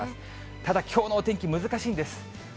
ただ、きょうのお天気、難しいんです。